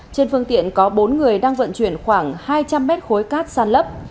trên phương tiện có bốn người đang vận chuyển khoảng hai trăm linh mét khối cát sàn lấp